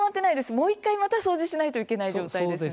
もう１回また掃除しないといけない状態ですね。